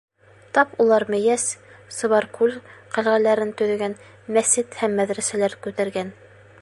Тап улар Мейәс, Сыбаркүл ҡәлғәләрен төҙөгән, мәсет һәм мәҙрәсәләр күтәргән.